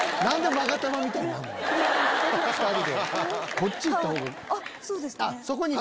こっち行った方がいい。